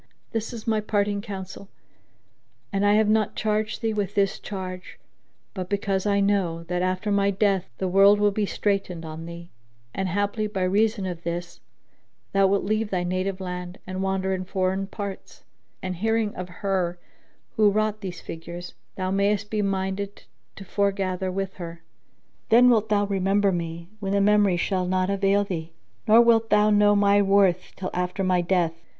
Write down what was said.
This is my parting counsel; and I have not charged thee with this charge, but because I know[FN#6] that after my death the world will be straitened on thee and, haply, by reason of this, thou wilt leave thy native land and wander in foreign parts, and hearing of her who wrought these figures, thou mayest be minded to fore gather with her. Then wilt thou remember me, when the memory shall not avail thee; nor wilt thou know my worth till after my death.